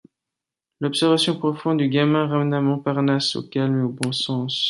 L’observation profonde du gamin ramena Montparnasse au calme et au bon sens.